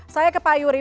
saya ke pak yuri